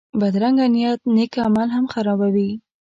بدرنګه نیت نېک عمل هم خرابوي